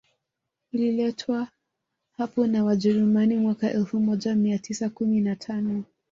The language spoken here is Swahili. Ililetwa hapo na Wajerumani mwaka elfu moja mia tisa kumi na tano